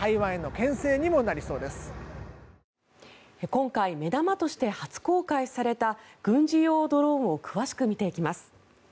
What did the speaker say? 今回目玉として初公開された軍事用ドローンを詳しく見ていきます。